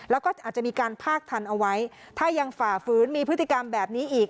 แล้วก็อาจจะมีการพากทันเอาไว้ถ้ายังฝ่าฝืนมีพฤติกรรมแบบนี้อีก